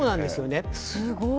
すごい。